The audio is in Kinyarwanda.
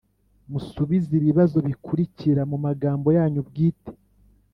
musubize ibibazo bikurikira mu magambo yanyu bwite.